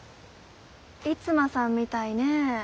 逸馬さんみたいね。